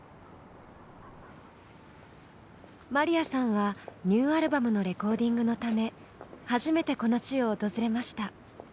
まりやさんはニューアルバムのレコーディングのため初めてこの地を訪れました。